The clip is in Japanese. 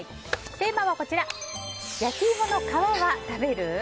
テーマは焼きいもの皮は食べる？